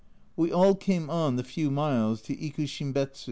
We all came on the few miles to Ikushimbets.